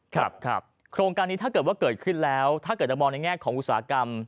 ครับโครงการนี้ถ้าเกิดว่าเกิดขึ้นแล้วถ้าเกิดจะมองในแง่ของอุตสาหกรรม